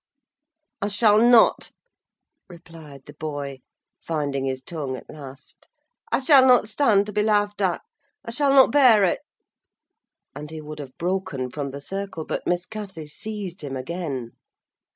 "I shall not," replied the boy, finding his tongue at last; "I shall not stand to be laughed at. I shall not bear it!" And he would have broken from the circle, but Miss Cathy seized him again.